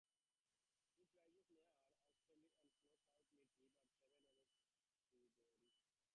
It rises near Oswestry and flows south to meet the River Severn above Shrewsbury.